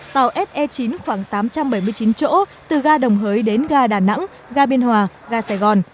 tàu se chín khoảng tám trăm bảy mươi chín chỗ từ ga đồng hới đến ga đà nẵng ga biên hòa ga sài gòn